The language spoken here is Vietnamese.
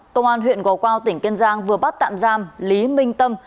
công an huyện gò quao tỉnh kiên giang vừa bắt tạm giam lý minh tâm